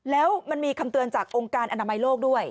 แล้วมันมีคำเตือนจากองค์การอนามัยโลกด้วย